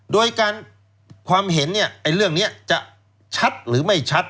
โดยการความเห็นเนี่ยเรื่องนี้จะชัดหรือไม่ชัด